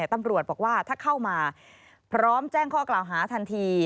ตำรวจบอกว่าถ้าเข้ามาพร้อมแจ้งข้อกล่าวหาทันที